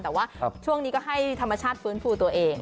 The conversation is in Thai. แต่ว่าช่วงนี้ก็ให้ธรรมชาติฟื้นฟูตัวเอง